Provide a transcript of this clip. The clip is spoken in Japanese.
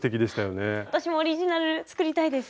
私もオリジナル作りたいです。